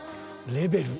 ［「レベル」］